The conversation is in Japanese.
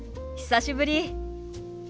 久しぶり。